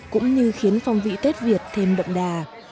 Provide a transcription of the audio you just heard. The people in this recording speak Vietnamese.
cũng như khiến phong vị tết việt thêm đậm đà